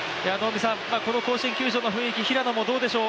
この甲子園球場の雰囲気平野はどうでしょう。